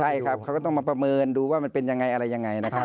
ใช่ครับเขาก็ต้องมาประเมินดูว่ามันเป็นยังไงอะไรยังไงนะครับ